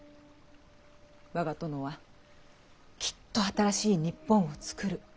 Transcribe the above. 「我が殿はきっと新しい日本を作る。